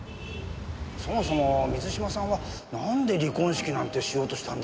そもそも水嶋さんはなんで離婚式なんてしようとしたんでしょう？